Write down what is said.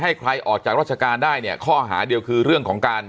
ให้ใครออกจากราชการได้เนี่ยข้อหาเดียวคือเรื่องของการ